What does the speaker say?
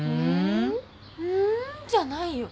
ん？ん？じゃないよ。